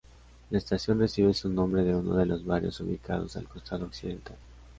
La estación recibe su nombre de uno de los barrios ubicados al costado occidental.